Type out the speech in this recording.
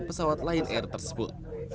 pesawat lion air tersebut